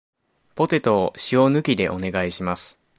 ポテトを塩抜きでお願いします